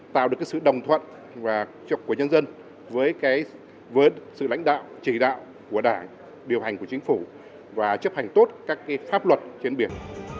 tạo được sự đồng thuận của nhân dân với sự lãnh đạo chỉ đạo của đảng điều hành của chính phủ và chấp hành tốt các pháp luật trên biển